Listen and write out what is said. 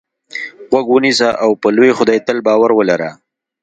غوږ ونیسه او په لوی خدای تل باور ولره.